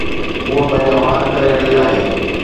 هوءَ پنهنجا وار ڪري رهي آهي